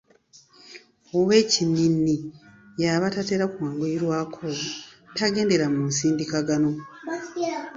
Owekinnini y’aba tatera kwanguyirwako, tagendera mu nsindikagano.